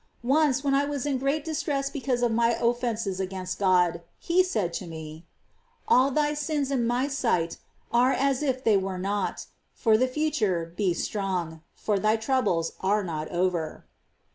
4. Once, when I was in great distress because of my offences against God, He said to me : "All thy sins in My sight are as if they were not. For the future, be strong ; for thy troubles are not over."